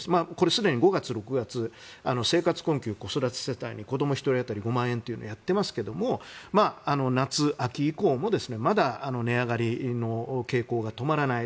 すでに５月、６月生活困窮子育て世帯に子供１人当たり５万円というのをやっていますけれども夏秋以降もまだ値上がりの傾向が止まらない。